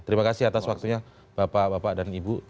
terima kasih atas waktunya bapak bapak dan ibu